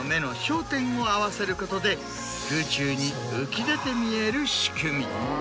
空中に浮き出て見える仕組み。